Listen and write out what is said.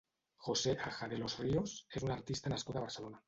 José Aja de los Ríos és un artista nascut a Barcelona.